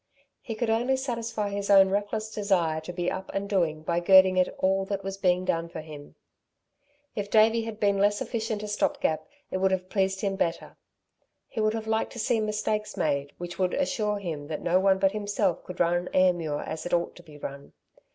He could only satisfy his own reckless desire to be up and doing by girding at all that was being done for him. If Davey had been less efficient a stop gap it would have pleased him better. He would have liked to see mistakes made which would assure him that no one but himself could run Ayrmuir as it ought to be run.